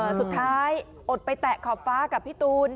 สุดท้ายอดไปแตะขอบฟ้ากับพี่ตูน